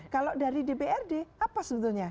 kalau dari dprd apa sebetulnya